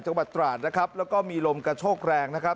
จังหวัดตราดนะครับแล้วก็มีลมกระโชกแรงนะครับ